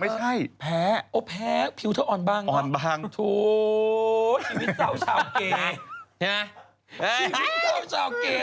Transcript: ไม่ใช่แพ้โอ้แพ้ผิวเธออ่อนบ้างเนอะถูกชีวิตเศร้าชาวเกย์